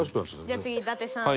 じゃあ次伊達さん。